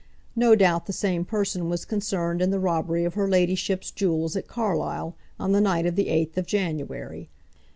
No doubt the same person was concerned in the robbery of her ladyship's jewels at Carlisle on the night of the 8th of January.